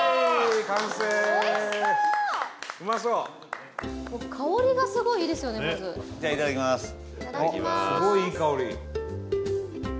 伊達：すごい、いい香り。